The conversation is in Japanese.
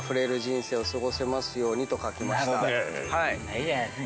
いいじゃないですか。